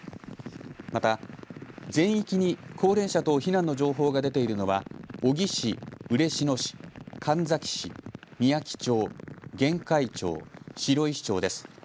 また全域に高齢者等避難の情報が出ているのは小城市、嬉野市、神埼市、みやき町、玄海町、白石町です。